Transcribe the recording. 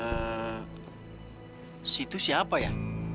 eh si itu siapa ya